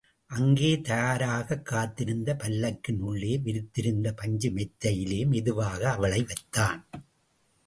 அங்கே தயாராகக் காத்திருந்த பல்லக்கின் உள்ளே, விரித்திருந்த பஞ்சு மெத்தையிலே மெதுவாக அவளை வைத்தான்.